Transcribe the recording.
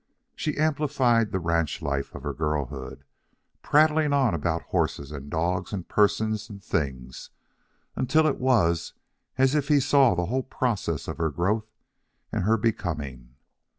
She amplified the ranch life of her girlhood, prattling on about horses and dogs and persons and things until it was as if he saw the whole process of her growth and her becoming.